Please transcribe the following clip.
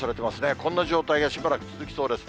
こんな状態がしばらく続きそうです。